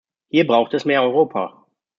Hier braucht es mehr Europa.